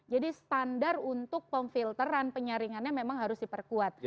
jadi standar untuk pemfilteran penyaringannya memang harus diperkuat